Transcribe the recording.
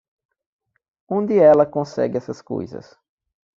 Onde ela consegue essas coisas?